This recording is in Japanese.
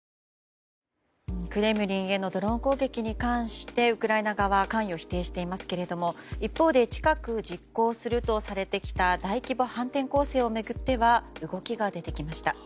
クレムリンへのドローン攻撃に関してウクライナ側は関与を否定していますけれども一方で近く実行するとされてきた大規模反転攻勢を巡っては動きが出てきました。